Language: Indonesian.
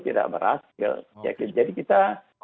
tidak berhasil jadi kita